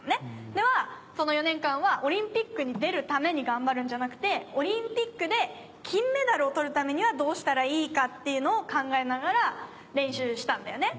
ではその４年間はオリンピックに出るために頑張るんじゃなくてオリンピックで金メダルを取るためにはどうしたらいいかっていうのを考えながら練習したんだよね。